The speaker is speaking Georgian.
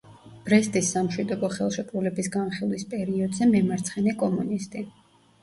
ბრესტის სამშვიდობო ხელშეკრულების განხილვის პერიოდზე „მემარცხენე კომუნისტი“.